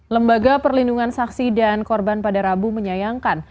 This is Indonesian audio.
lembaga perlindungan saksi dan korban pada rabu menyayangkan